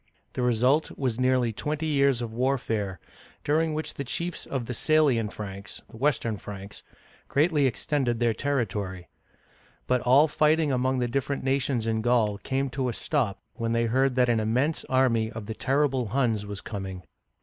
The result was nearly twenty years of warfare, during which the chiefs of the Sa'lian Franks (Western Franks) greatly extended their territory. But all fighting among the different nations in Gaul came to a stop when they heard that an immense army of the terrible Huns was coming.